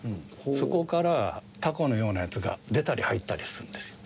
そこからタコのようなやつが出たり入ったりするんですよ。